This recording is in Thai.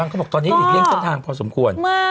เมื่อกี้เพิ่งผ่านมาค่ะ